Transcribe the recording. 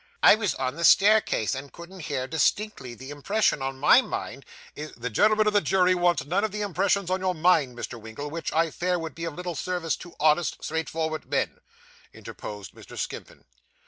'I was on the staircase, and couldn't hear distinctly; the impression on my mind is ' 'The gentlemen of the jury want none of the impressions on your mind, Mr. Winkle, which I fear would be of little service to honest, straightforward men,' interposed Mr. Skimpin.